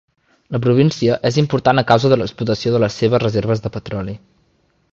La província és important a causa de l'explotació de les seves reserves de petroli.